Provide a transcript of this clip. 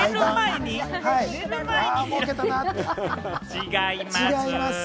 違います。